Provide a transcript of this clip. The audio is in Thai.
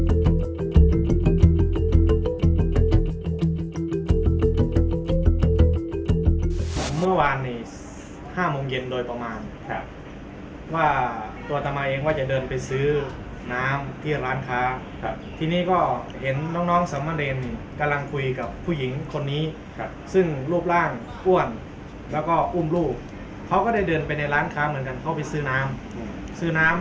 เมื่อวานนี้๕โมงเย็นโดยประมาณครับว่าตัวทำไมเองว่าจะเดินไปซื้อน้ำที่ร้านค้าครับทีนี้ก็เห็นน้องน้องสามเณรกำลังคุยกับผู้หญิงคนนี้ครับซึ่งรูปร่างอ้วนแล้วก็อุ้มลูกเขาก็ได้เดินไปในร้านค้าเหมือนกันเขาไปซื้อน้ำซื้อน้ำ